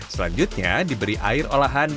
selanjutnya diberi air olahan